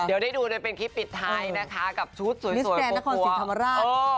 เดี๋ยวได้ดูด้วยเป็นคลิปปิดไทยนะคะกับชุดสวยโปรโกะ